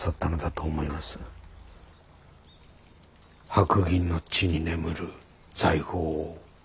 白銀の地に眠る財宝を。